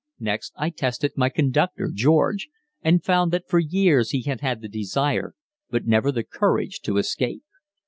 Next I tested my conductor, George, and found that for years he had had the desire, but never the courage, to escape.